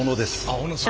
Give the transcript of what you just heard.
小野さん。